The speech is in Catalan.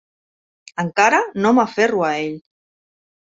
Encara no m"aferro a ell.